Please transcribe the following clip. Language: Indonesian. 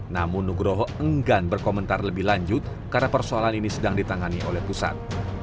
namun nugroho enggan berkomentar lebih lanjut karena persoalan ini sedang ditangani oleh pusat